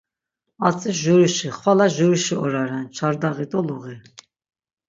Atzi jurişi, xvala jurişi ora ren; çardaği do luği.